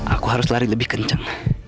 aku harus lari lebih kencang